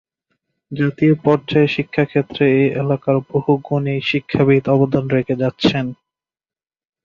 জাতীয় পর্যায়ে শিক্ষাক্ষেত্রে এই এলাকার বহু গুণী শিক্ষাবিদ অবদান রেখে যাচ্ছেন।